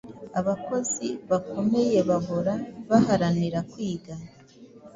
Abakozi bakomeye bahora baharanira kwiga